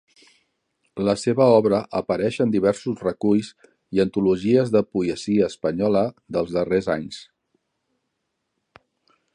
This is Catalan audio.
La seva obra apareix en diversos reculls i antologies de poesia espanyols dels darrers anys.